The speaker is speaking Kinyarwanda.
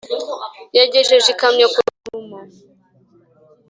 Yagejeje ikamyo ku rusumo.